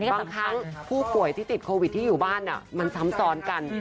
บางครั้งผู้ป่วยที่ติดโควิดที่อยู่บ้านมันซ้ำซ้อนกัน